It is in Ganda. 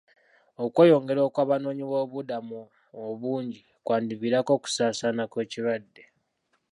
OKweyongera okw'abanoonyi b'obubuddamu obungi kwandivirako okusaasaana kw'ekirwadde.